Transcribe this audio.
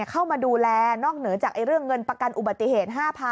เข้ามาดูแลนอกเหนือจากเรื่องเงินประกันอุบัติเหตุ๕๐๐๐